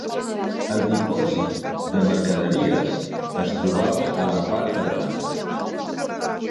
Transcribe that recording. El dipòsit de mercaderies es trobava a la part de dalt.